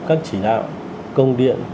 các chỉ đạo công điện